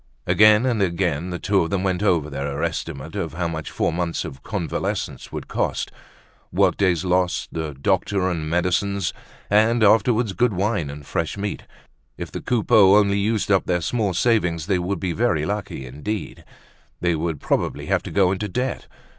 Again and again the two of them went over their estimate of how much four months of convalescence would cost; workdays lost, the doctor and the medicines, and afterward good wine and fresh meat. If the Coupeaus only used up their small savings, they would be very lucky indeed. They would probably have to go into debt.